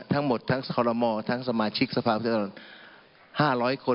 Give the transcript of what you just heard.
ทั้งหมดทั้งคอลโลมอร์ทั้งสมาชิกสภาพุทธแห่งรัฐศรีสะเกด